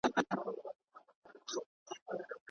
له دوستانو مشوره واخلئ.